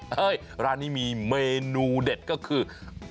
ร้านนี้มีเมนูเด็ดก็คือ